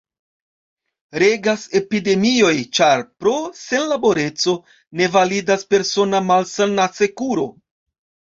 Regas epidemioj ĉar, pro senlaboreco, ne validas persona malsan-asekuro.